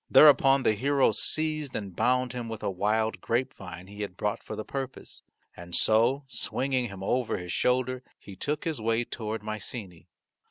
Thereupon the hero seized and bound him with a wild grapevine he had brought for the purpose. And so swinging him over his shoulder he took his way toward Mycenae.